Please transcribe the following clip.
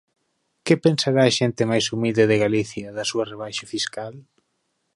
¿Que pensará a xente máis humilde de Galicia da súa rebaixa fiscal?